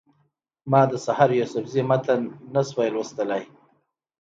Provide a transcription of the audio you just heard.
ما د سحر یوسفزي متن نه شو لوستلی.